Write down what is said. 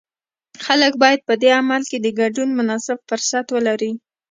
خلک باید په دې عمل کې د ګډون مناسب فرصت ولري.